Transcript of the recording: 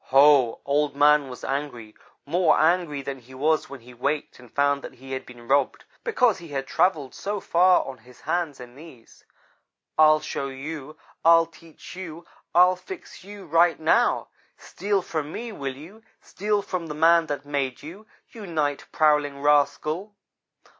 Ho! Old man was angry more angry than he was when he waked and found that he had been robbed, because he had travelled so far on his hands and knees. "'I'll show you. I'll teach you. I'll fix you, right now. Steal from me, will you? Steal from the man that made you, you night prowling rascal!'